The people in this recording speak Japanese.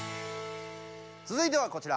つづいてはこちら！